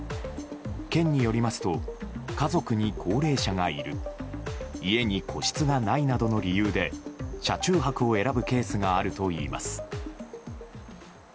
県によりますと家族に高齢者がいる家に個室がないなどの理由で車中泊を選ぶケースがあるといいます。